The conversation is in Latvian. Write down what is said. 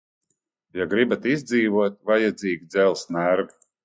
Ja gribat izdzīvot, vajadzīgi dzelzs nervi.